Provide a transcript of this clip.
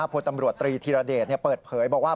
พลตำรวจตรีธีรเดชเปิดเผยบอกว่า